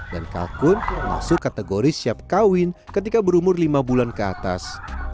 dan kalkun masuk kategori siap kawin ketika berumur lima bulan ke atas